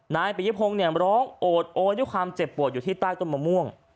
มัม่วงเนี่ยร้องโอ้นที่ความเจ็บปวดอยู่ที่ใต้ต้นมัม่วง